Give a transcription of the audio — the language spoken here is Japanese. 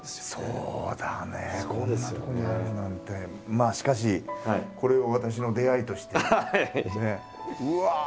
まあしかしこれを私の出会いとしてね。